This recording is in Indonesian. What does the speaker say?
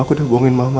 aku udah bohongin mama